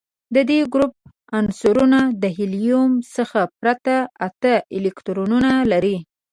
د دې ګروپ عنصرونه د هیلیم څخه پرته اته الکترونونه لري.